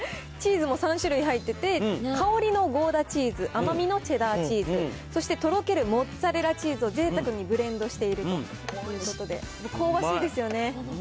チーズも３種類入ってて、香りのゴーダチーズ、甘みのチェダーチーズ、そしてとろけるモッツァレラチーズをぜいたくにブレンドしているということで、香ばしいですよね。